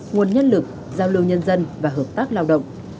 nguồn nhân lực giao lưu nhân dân và hợp tác lao động